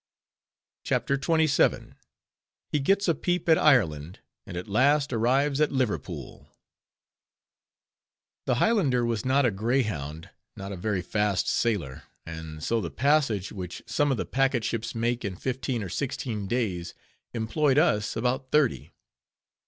CHAPTER XXVII. HE GETS A PEEP AT IRELAND, AND AT LAST ARRIVES AT LIVERPOOL The Highlander was not a grayhound, not a very fast sailer; and so, the passage, which some of the packet ships make in fifteen or sixteen days, employed us about thirty.